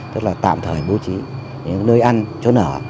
tức là tạm thời bố trí những nơi ăn chỗ nở